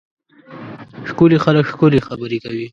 ښکلي خلک ښکلې خبرې کوي.